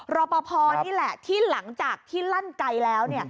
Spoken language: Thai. รอปภนี่แหละที่หลังจากที่ลั่นไกลแล้ว